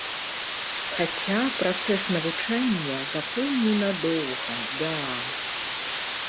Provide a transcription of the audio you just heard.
Хаця, працэс навучання запомню надоўга, да.